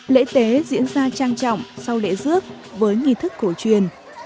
lễ tế diễn ra trang trọng sau lễ rước với nghi thức cổ truyền